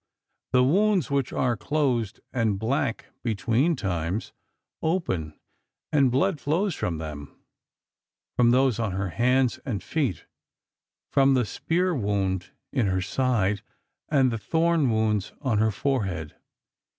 The wounds, which are closed and black between times, open, and blood flows from them—from those on her hands and feet, from the spear wound in her side, and the thorn wounds on her forehead.